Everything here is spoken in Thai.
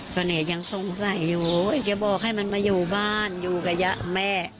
ตอนนี้ยังสงสัยอยู่จะบอกให้มันมาอยู่บ้านอยู่กับยะแม่